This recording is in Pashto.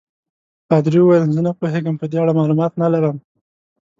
پادري وویل: زه نه پوهېږم، په دې اړه معلومات نه لرم.